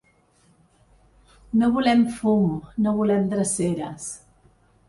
No volem fum, no volem dreceres.